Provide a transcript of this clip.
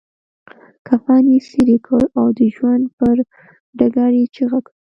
کفن يې څيري کړ او د ژوند پر ډګر يې چيغه کړه.